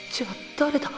誰だ